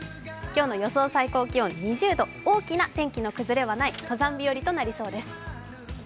今日の予想最高気温２０度、大きな天気の崩れはない登山日和となりそうです。